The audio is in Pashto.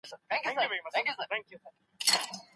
د پرمختیا دا لړۍ له پخوا راهیسې روانه وه.